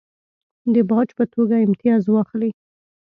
د باج په توګه امتیاز واخلي.